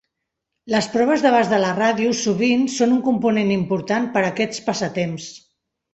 Les proves d'abast de la ràdio sovint són un component important per aquests passatemps.